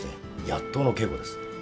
やっとうの稽古です。